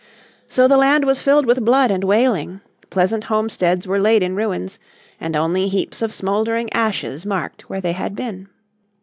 So the land was filled with blood and wailing, pleasant homesteads were laid in ruins, and only heaps of smouldering ashes marked where they had been.